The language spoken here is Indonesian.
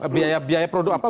biaya produk apa